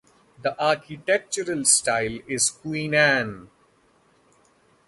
The architectural style is Queen Anne.